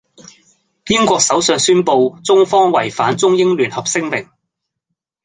英國首相宣佈中方違反中英聯合聲明。